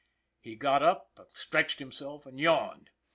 He got up, stretched himself and yawned.